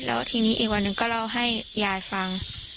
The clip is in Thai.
แล้วทีนี้อีกวันหนึ่งก็เล่าให้ยายฟัง